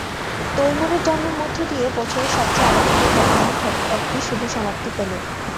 তৈমুরের জন্মের মধ্য দিয়ে বছরের সবচেয়ে আলোচিত ঘটনা একটি শুভ সমাপ্তি পেল।